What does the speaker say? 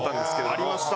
ありました。